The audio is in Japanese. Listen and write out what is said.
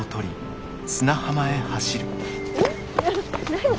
何？